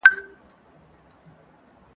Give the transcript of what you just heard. که مینه وي نو زده کوونکی نه خفه کیږي.